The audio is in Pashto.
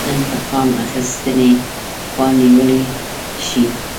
انتقام اخیستنې خوا نیولی شي.